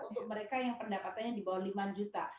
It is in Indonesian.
untuk mereka yang pendapatannya di bawah lima juta